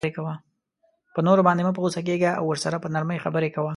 په نورو باندی مه په غصه کیږه او ورسره په نرمۍ خبری کوه